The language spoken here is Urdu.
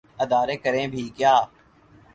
ادارے کریں بھی کیا۔